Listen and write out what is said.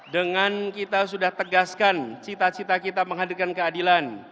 dengan kita sudah tegaskan cita cita kita menghadirkan keadilan